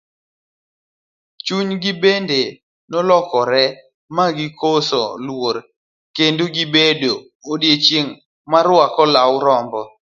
Chunygi bende nolokore ma gikoso luor, kendo gibedo ondiegi moruako lau rambo.